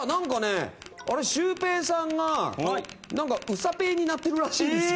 シュウペイさんが、うさペイになってるらしいんですよ。